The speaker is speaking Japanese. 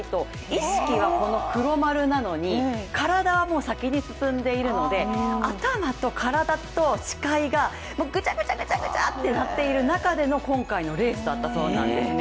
意識は黒丸なのに、体は先に進んでいるので頭と体と視界が、ぐちゃぐちゃぐちゃぐちゃとなっている中での今回のレースだったそうなんですね。